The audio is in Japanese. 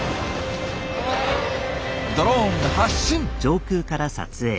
ドローン発進！